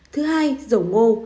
thứ hai dầu ngô